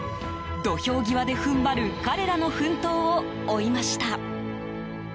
土俵際で踏ん張る彼らの奮闘を追いました。